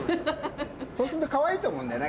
そうするとかわいいと思うんだよね